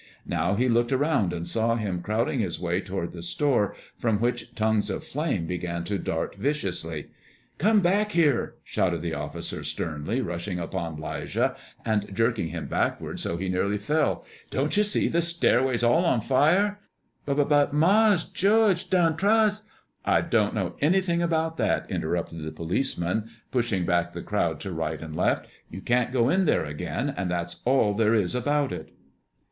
Now he looked around and saw him crowding his way toward the store, from which tongues of flame began to dart viciously. "Come back there!" shouted the officer sternly, rushing upon 'Lijah and jerking him backward so that he nearly fell. "Don't you see the stairway's all on fire?" "B b but Mars' George done trus'" "I don't know anything about that," interrupted the policeman, pushing back the crowd to right and left. "You can't go in there again, and that's all there is about it."